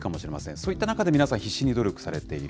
そういった中で皆さん、必死に努力されている。